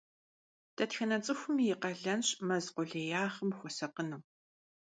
Дэтхэнэ цӀыхуми и къалэнщ мэз къулеягъым хуэсакъыну.